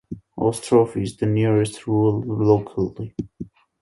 Ostrov is the nearest rural locality.